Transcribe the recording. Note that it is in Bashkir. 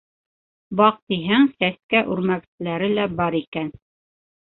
Баҡтиһәң, сәскә үрмәкселәре лә бар икән.